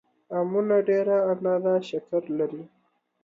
امونه ډېره اندازه شکر لري